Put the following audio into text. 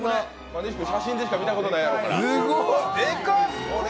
西君、写真でしかみたことないやろから。